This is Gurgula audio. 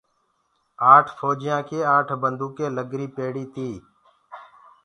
آٺ ڦوجِيآنٚ ڪي آٺ بنٚدوُڪينٚ نکريٚ پيڙيٚ تيٚ